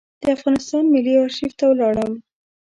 د افغانستان ملي آرشیف ته ولاړم.